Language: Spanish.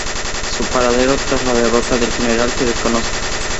Su paradero tras la derrota del General se desconoce.